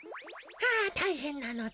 はあたいへんなのだ。